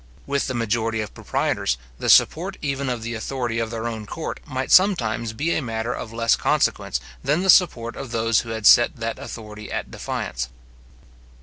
With the majority of proprietors, the support even of the authority of their own court might sometimes be a matter of less consequence than the support of those who had set that authority at defiance.